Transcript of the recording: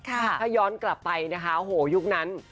ถ้าย้อนกลับไปนะคะโหยุคนั้น